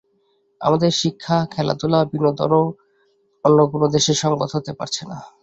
আমাদের শিক্ষা, খেলাধুলা, বিনোদনও অন্য কোনো দেশের সংবাদ হতে পারছে না।